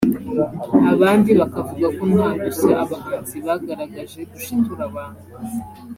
abandi bakavuga ko nta dushya abahanzi bagaragaje dushitura abantu